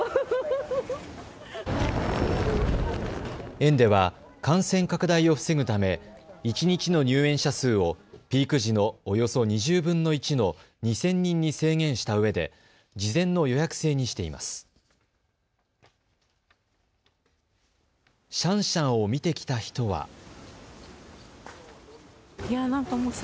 園では感染拡大を防ぐため一日の入園者数をピーク時のおよそ２０分の１の２０００人に制限したうえで事前の予約制にしています。